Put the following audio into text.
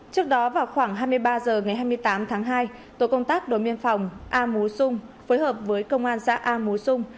trước đó vào khoảng hai mươi ba h ngày hai mươi tám tháng hai tổ công tác đối biên phòng a mú xung phối hợp với công an xã a mú xung